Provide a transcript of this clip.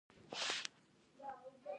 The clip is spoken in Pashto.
کورکمن په ځینو سیمو کې کرل کیږي